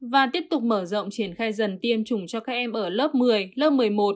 và tiếp tục mở rộng triển khai dần tiêm chủng cho các em ở lớp một mươi lớp một mươi một